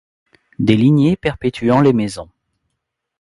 Des lignées perpétuant les maisons.